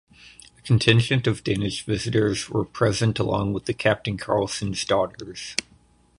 A contingent of Danish visitors were present along with the Captain Carlsen's daughters.